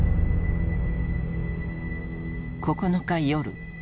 ９日夜